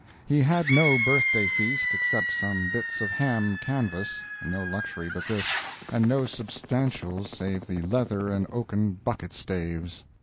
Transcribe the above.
He had no birthday feast except some bits of ham canvas—no luxury but this, and no substantials save the leather and oaken bucket staves.